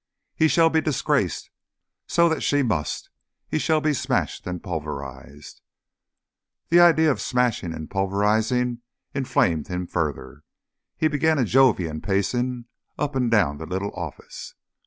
He shall be disgraced, so that she must. He shall be smashed and pulverised." The idea of smashing and pulverising inflamed him further. He began a Jovian pacing up and down the little office.